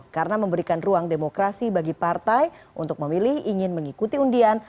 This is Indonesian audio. karena memberikan ruang demokrasi bagi partai untuk memilih ingin mengikuti undian